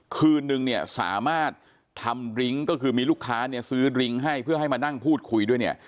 คืนนึงเนี่ยสามารถทำดิ้งก็คือมีลูกค้าเนี่ยซื้อดริ้งให้เพื่อให้มานั่งพูดคุยด้วยเนี่ย